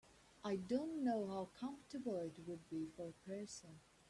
I don’t know how comfortable it would be for a person.